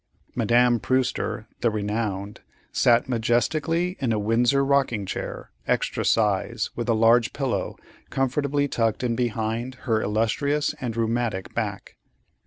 Madame Prewster, the renowned, sat majestically in a Windsor rocking chair, extra size, with a large pillow comfortably tucked in behind her illustrious and rheumatic back.